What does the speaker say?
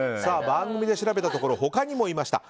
番組で調べたところ他にもいました。